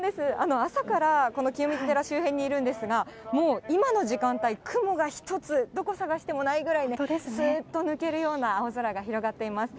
朝からこの清水寺周辺にいるんですが、もう今の時間帯、雲が一つ、どこ探してもないぐらいのすっと抜けるような青空が広がっています。